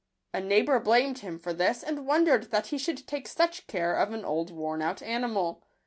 A neighbour blamed him for this, and wondered that he should take such care of an old worn out animal.